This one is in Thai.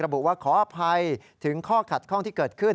บุว่าขออภัยถึงข้อขัดข้องที่เกิดขึ้น